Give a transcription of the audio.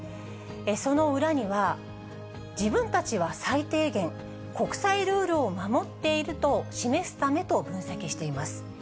その裏には、自分たちは最低限、国際ルールを守っていると示すためと分析しています。